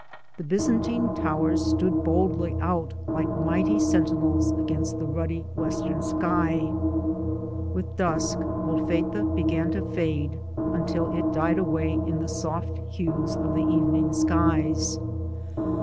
The Byzantine towers stood boldly out like mighty senti nels against the ruddy, western sky. With dusk Molfetta began to fade until it died away in the soft hues of the evening skies.